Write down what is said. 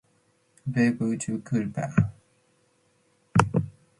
Badedquio ubi chuita